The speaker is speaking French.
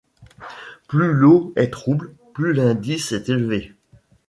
Plus l'eau est trouble, plus l'indice est élevé.